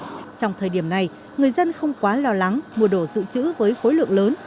trong thời điểm này người dân không quá lo lắng mua đồ dự trữ với khối lượng lớn